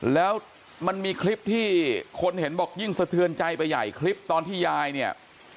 แล้วมันมีคลิปที่คนเห็นบอกยิ่งสะเทือนใจไปใหญ่คลิปตอนที่ยายเนี่ย